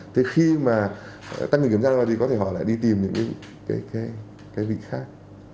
thế khi mà tăng cường kiểm tra ra thì có thể họ lại đi tìm những cái vị khác